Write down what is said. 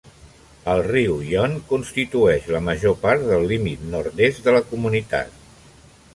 El riu Yon constitueix la major part del límit nord-est de la comunitat.